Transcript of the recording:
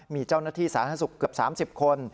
มีเจ้าหน้าที่สาธารณสุขเกือบ๓๐คน